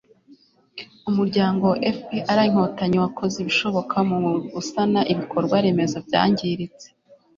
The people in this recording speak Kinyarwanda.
umuryango fpr–inkotanyi wakoze ibishoboka mu gusana ibikorwa-remezo byangiritse